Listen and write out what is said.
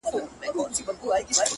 زما د زړه د كـور ډېـوې خلگ خبــري كوي;